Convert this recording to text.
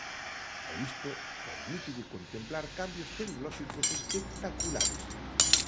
E isto permítelle contemplar cambios tecnolóxicos espectaculares.